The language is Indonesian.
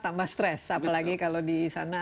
tambah stres apalagi kalau di sana